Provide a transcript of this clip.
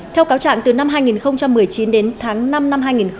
theo cáo trạng từ năm hai nghìn một mươi chín đến tháng năm năm hành